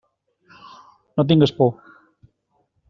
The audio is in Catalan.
No tingues por.